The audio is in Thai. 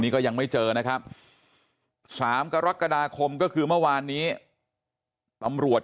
ก็ยังไม่เจอนะครับ๓กรกฎาคมก็คือเมื่อวานนี้ตำรวจ